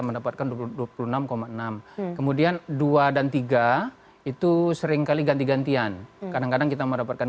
mendapatkan dua puluh enam enam kemudian dua dan tiga itu seringkali ganti gantian kadang kadang kita mendapatkan